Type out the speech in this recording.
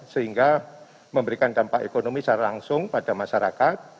sehingga memberikan dampak ekonomi secara langsung pada masyarakat